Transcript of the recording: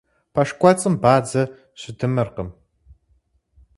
Пэш кӀуэцӀым бадзэ щыдымыркъым.